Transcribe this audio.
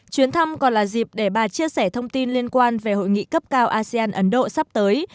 chuyến thăm còn là dịp để bà chia sẻ thông tin liên quan về hội nghị cấp cao asean ấn độ sắp tới